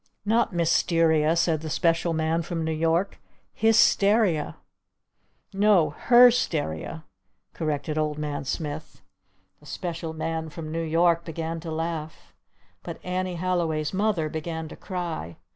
"Not _Mys_teria," said the Special Man from New York, _"Hys_teria!" "No! _Her_steria!" corrected Old Man Smith. The Special Man from New York began to laugh. But Annie Halliway's Mother began to cry.